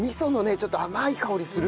ちょっと甘い香りするわ。